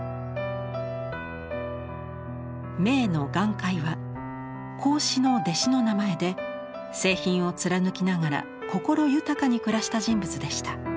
銘の「顔回」は孔子の弟子の名前で清貧を貫きながら心豊かに暮らした人物でした。